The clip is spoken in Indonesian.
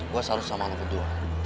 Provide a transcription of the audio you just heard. gue salus sama lo kedua